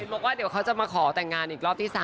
บอกว่าเดี๋ยวเขาจะมาขอแต่งงานอีกรอบที่๓